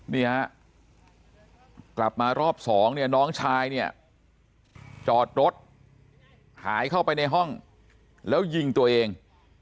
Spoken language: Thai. นี่ฮะกลับมารอบสองเนี่ยน้องชายเนี่ยจอดรถหายเข้าไปในห้องแล้วยิงตัวเอง